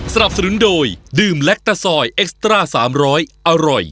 เขาบอกอยู่นี่ไงว่าโดนลักษณ์ขาตัวไป